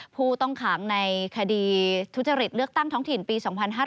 ผู้ต้องขังในคดีทุจริตเลือกตั้งท้องถิ่นปี๒๕๕๙